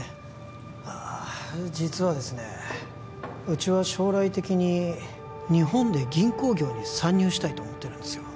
ああ実はですねうちは将来的に日本で銀行業に参入したいと思ってるんですよ